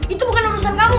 itu bukan urusan kamu